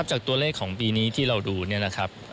จากตัวเลขของปีนี้ที่เราดูเนี่ยนะครับ